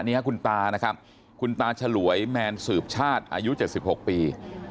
นี่ฮะคุณตานะครับคุณตาฉลวยแมนสืบชาติอายุเจ็ดสิบหกปี